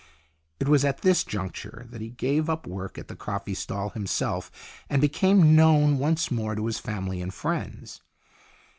It was at this juncture that he gave up work at the coffee stall himself, and became known once more to his family and friends.